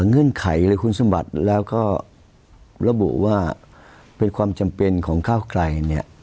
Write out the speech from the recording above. เงื่อนไขหรือคุณสมบัติแล้วก็ระบุว่าเป็นความจำเป็นของก้าวไกลเนี่ย